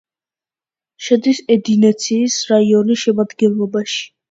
შედის ედინეცის რაიონის შემადგენლობაში.